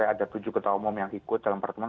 ada tujuh ketua umum yang ikut dalam pertemuan